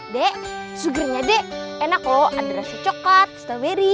dek sugarnya dek enak loh ada rasa coklat strawberry